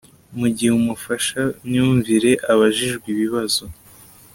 mu gihe umufashamyumvire abajijwe ibibazo